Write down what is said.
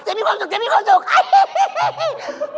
มีความสุขเจ๊มีความสุข